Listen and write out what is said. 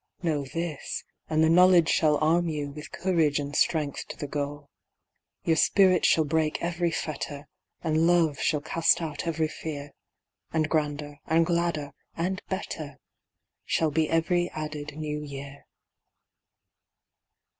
Know this, and the knowledge shall arm you With courage and strength to the goal. Your spirit shall break every fetter, And love shall cast out every fear. And grander, and gladder, and better Shall be every added new year.